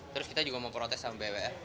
terus kita juga mau protes sama bwf